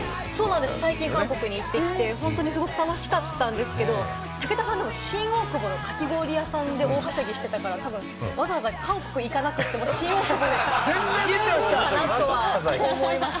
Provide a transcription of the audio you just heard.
最近、韓国に行ってきて、本当に楽しかったんですけれども、武田さん、新大久保のかき氷屋さんで大はしゃぎしてたから、わざわざ韓国行かなくても新大久保で十分だなとは思いました。